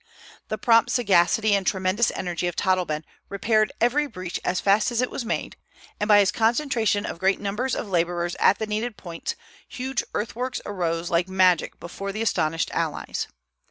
The prompt sagacity and tremendous energy of Todleben repaired every breach as fast as it was made; and by his concentration of great numbers of laborers at the needed points, huge earthworks arose like magic before the astonished allies.